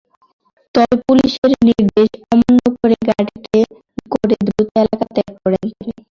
তবে পুলিশের নির্দেশ অমান্য করে গাড়িতে করে দ্রুত এলাকা ত্যাগ করেন তিনি।